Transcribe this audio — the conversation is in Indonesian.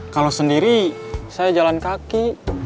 kalau sendiri saya jalan kaki